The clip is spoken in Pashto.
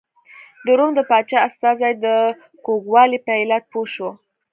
د روم د پاچا استازی د کوږوالي په علت پوه شو.